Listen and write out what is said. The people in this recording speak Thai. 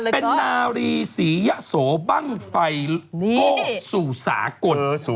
เป็นนาลีศรียะโสบังไฟโกสุสากล